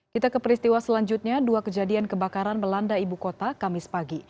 kita ke peristiwa selanjutnya dua kejadian kebakaran melanda ibu kota kamis pagi